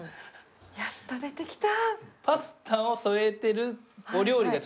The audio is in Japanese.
やっと出てきた！